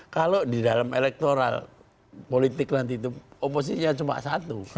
kalau di dalam elektoral politik nanti itu oposisinya cuma satu